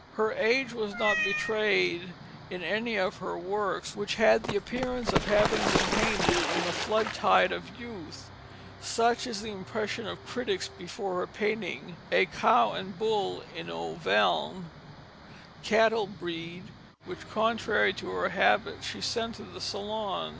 Her age was not betrayed in any of her works, which had the appearance of having been painted in the flood tide of youth. Such is the impression of critics before her painting, A Cow and Bull in Auvergne, Cantal Breed, which, contrary to her habit, she sent to the Salon.